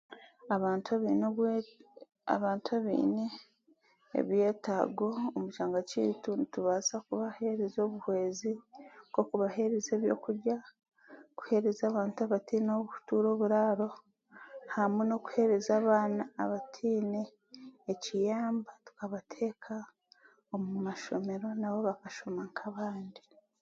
Abantu abiine obwe, abantu biine ebyetaago omu kyanga kiitu nitubaasa okubahereza obuhwezi nk'okubahereza ebyokurya, kuhereza abantu abataine ah'okutuura oburaaro hamwe n'okuhereza abaana abatiine ekiyamba kubateeka omu mashomero nabo bakashoma nk'abandi.